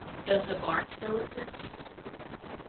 Does the barn still exist?